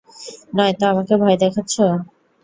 নয়তো আমাকে ভয় দেখাচ্ছো।